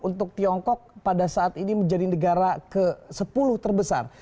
untuk tiongkok pada saat ini menjadi negara ke sepuluh terbesar